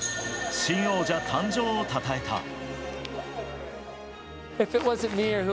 新王者誕生をたたえた。